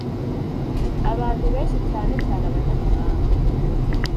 abantu benshi, cyane cyane abanyamahanga,